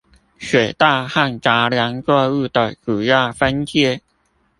水稻和雜糧作物的主要分界